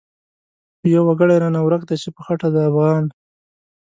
يو وګړی رانه ورک دی چی په خټه دی افغان